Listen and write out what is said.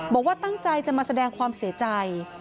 บอกว่าตั้งใจจะมาแสดงความเสียใจ